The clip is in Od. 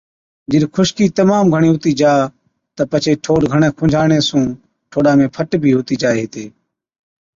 جِڏ خُشڪِي تمام گھڻِي هُتِي جا تہ پڇي ٺوڏ گھڻَي کُنجھاڙڻي سُون ٺوڏا ۾ فٽ بِي هُتِي جائي هِتي۔